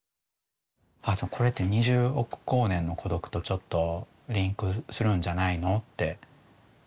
これって「二十億光年の孤独」とちょっとリンクするんじゃないのって。